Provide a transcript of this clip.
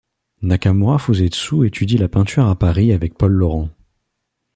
Nakamura Fusetsu étudie la peinture à Paris avec Paul Laurens.